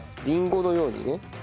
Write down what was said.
りんごのようにね。